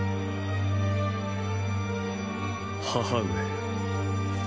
母上。